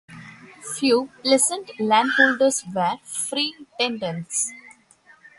Few peasant landholders were free tenants.